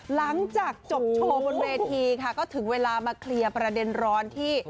หลังจากจบโชว์บนเวทีค่ะก็ถึงเวลามาเคลียร์ประเด็นร้อนที่